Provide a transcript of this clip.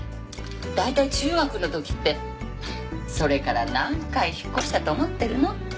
大体中学の時ってそれから何回引っ越したと思ってるの？